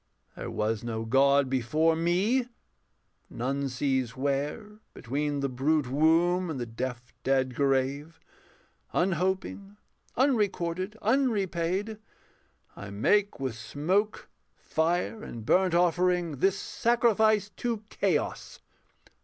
There was no God before me: none sees where, Between the brute womb and the deaf, dead grave, Unhoping, unrecorded, unrepaid, I make with smoke, fire, and burnt offering This sacrifice to Chaos.